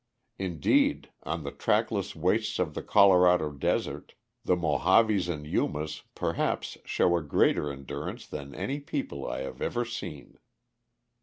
Indeed, on the trackless wastes of the Colorado desert the Mohaves and Yumas perhaps show a greater endurance than any people I have ever seen.